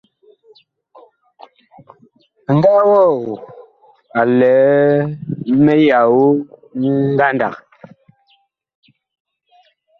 Ŋgaa wɔɔ a lɛ miyao ngandag.